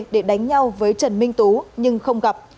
để đánh nhau với trần minh tú nhưng không gặp